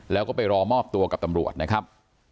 แล้วก็ไปรอมอบตัวกับตำรวจนะครับ